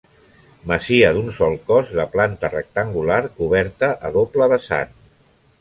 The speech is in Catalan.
Masia d'un sol cos de planta rectangular, coberta a doble vessant.